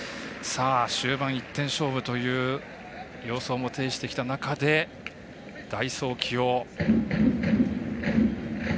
終盤１点勝負という様相も呈してきた中で代走起用。